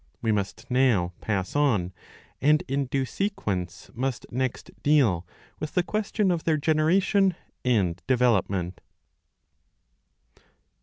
We must now pass on, and in due sequence must next deal with the question of their generation and development.